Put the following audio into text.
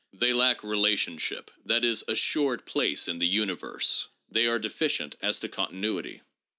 They lack relation ship, that is, assured place in the universe : they are deficient as to continuity."